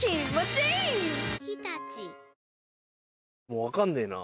もうわかんねえな。